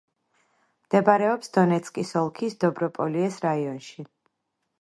მდებარეობს დონეცკის ოლქის დობროპოლიეს რაიონში.